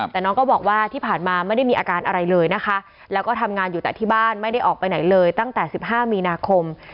แต่น้องก็บอกว่าที่ผ่านมาไม่ได้มีอาการอะไรเลยนะคะแล้วก็ทำงานอยู่แต่ที่บ้านไม่ได้ออกไปไหนเลยตั้งแต่๑๕มีนาคม